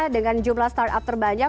dengan jumlah start up terbanyak